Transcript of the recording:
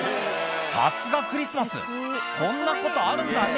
さすがクリスマスこんなことあるんだね